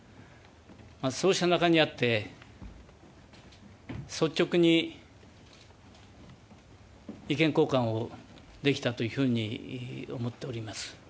そうした中にあって率直に意見交換をできたというふうに思っております。